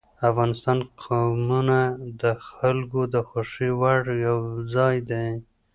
افغانستان کې قومونه د خلکو د خوښې وړ یو ځای دی.